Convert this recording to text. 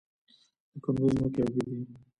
د کندز ځمکې ابي دي